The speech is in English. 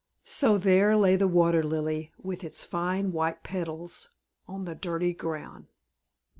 So there lay the Water Lily with its fine white petals on the dirty ground.